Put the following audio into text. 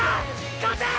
勝て！